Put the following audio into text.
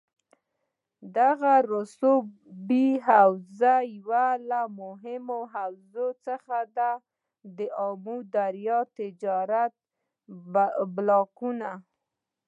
دغه رسوبي حوزه یوه له مهمو حوزو څخه ده دآمو دریا تجارتي بلاکونه